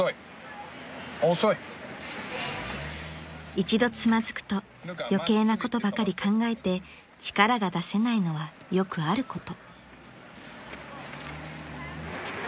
［一度つまずくと余計なことばかり考えて力が出せないのはよくあること］